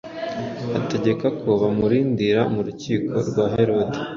Ategeka ko bamurindira mu rukiko rwa Herode.”